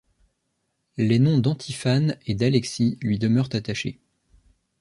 Les noms d'Antiphane et d'Alexis lui demeurent attachés.